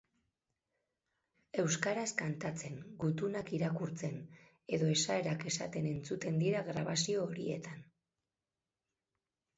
Euskaraz kantatzen, gutunak irakurtzen edo esaerak esaten entzuten dira grabazio horietan.